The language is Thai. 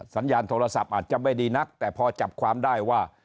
สัญญาณโทรศัพท์อาจจะไม่ดีนักแต่พอจับความได้ว่า